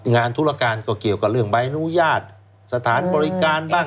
ธุรการก็เกี่ยวกับเรื่องใบอนุญาตสถานบริการบ้าง